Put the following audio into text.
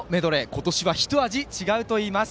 今年は一味違うといいます。